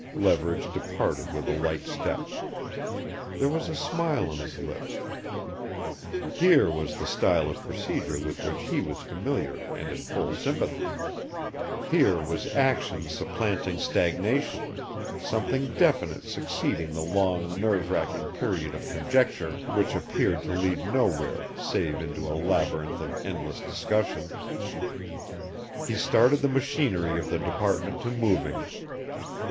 Leverage departed with a light step. There was a smile on his lips. Here was the style of procedure with which he was familiar and in full sympathy. Here was action supplanting stagnation something definite succeeding the long nerve wracking period of conjecture which appeared to lead nowhere save into a labyrinth of endless discussion. He started the machinery of the department to moving.